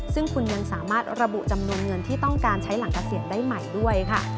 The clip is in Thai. ซึ่งคุณยังสามารถระบุจำนวนเงินที่ต้องการใช้หลังเกษียณได้ใหม่ด้วยค่ะ